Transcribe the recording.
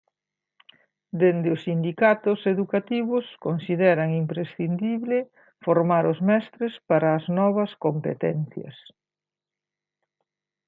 Dende os sindicatos educativos consideran imprescindible formar os mestres para as novas competencias.